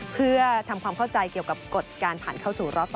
เพื่อทำความเข้าใจเกี่ยวกับกฎการผ่านเข้าสู่รอบ๒